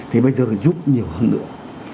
thì bây giờ là giúp nhiều hơn nữa